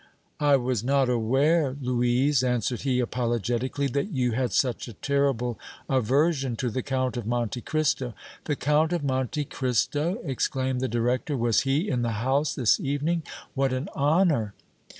"I was not aware, Louise," answered he, apologetically, "that you had such a terrible aversion to the Count of Monte Cristo." "The Count of Monte Cristo!" exclaimed the director. "Was he in the house this evening? What an honor!"